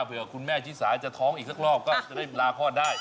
เผื่อคุณแม่ชิสาจะท้องอีกสักรอบก็จะได้ลาคลอดได้